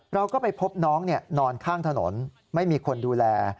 เราก็ไปพบน้องนอนข้างถนนไม่มีคนดูแล